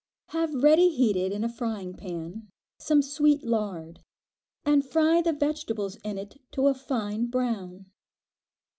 Have ready heated in a frying pan, some sweet lard, and fry the vegetables in it to a fine brown.